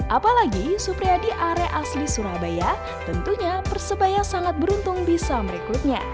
apalagi supriyadi are asli surabaya tentunya persebaya sangat beruntung bisa merekrutnya